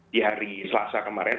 di hari selasa kemarin